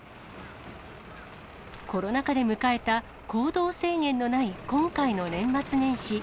コロナ禍で迎えた、行動制限のない今回の年末年始。